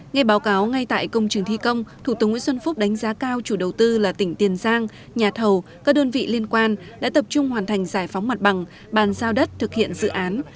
ngay báo cáo ngay tại công trường thi công thủ tướng nguyễn xuân phúc đánh giá cao chủ đầu tư là tỉnh tiền giang nhà thầu các đơn vị liên quan đã tập trung hoàn thành giải phóng mặt bằng bàn giao đất thực hiện dự án